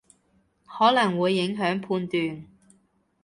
可能會影響判斷